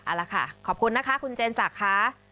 เอาละค่ะขอบคุณนะคะคุณเจนศักดิ์ค่ะ